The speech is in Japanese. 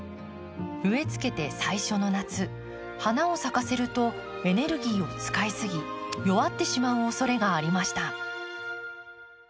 植えつけて最初の夏花を咲かせるとエネルギーを使いすぎ弱ってしまうおそれがありました。